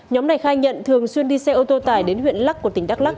nhóm này khai nhận thường xuyên đi xe ô tô tải đến huyện lắc của tỉnh đắk lắc